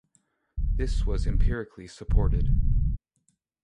This was empirically supported.